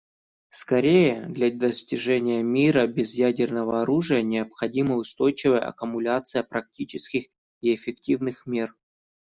Скорее, для достижения мира без ядерного оружия необходима устойчивая аккумуляция практических и эффективных мер.